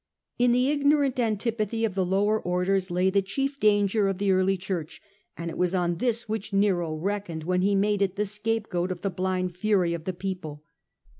In the ignorant antipathy of the lower orders lay the chief danger of the early church, and it was on this Nero which Nero reckoned when he made it the scapegoat of the blind fury of the people.